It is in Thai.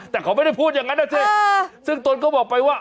แต่เขาไม่ได้พูดอย่างนั้นนะสิซึ่งตนก็บอกไปว่า